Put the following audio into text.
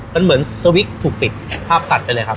มันเหมือนสวิกถูกปิดภาพตัดไปเลยครับ